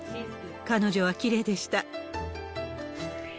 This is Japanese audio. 彼女はきれいでした。